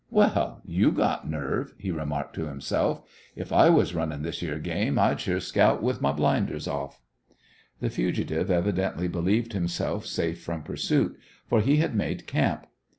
"Well, you got nerve!" he remarked to himself. "If I was runnin' this yere game, I'd sure scout with my blinders off." The fugitive evidently believed himself safe from pursuit, for he had made camp.